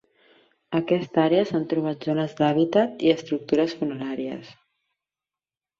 A aquesta àrea s'han trobat zones d'hàbitat i estructures funeràries.